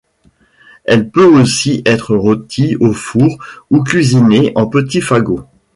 Elle peut aussi être rôtie au four ou cuisinée en petits fagots.